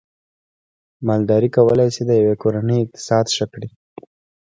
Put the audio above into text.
مالداري کولای شي د یوې کورنۍ اقتصاد ښه کړي